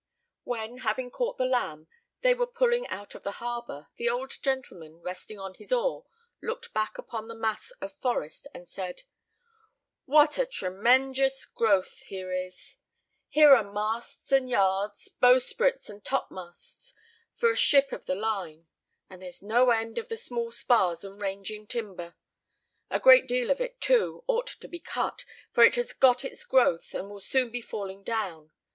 '" When, having caught the lamb, they were pulling out of the harbor, the old gentleman, resting on his oar, looked back upon the mass of forest, and said, "What a tremenjus growth here is! here are masts and yards, bowsprits and topmasts, for a ship of the line; and there's no end of the small spars and ranging timber; a great deal of it, too, ought to be cut, for it has got its growth, and will soon be falling down.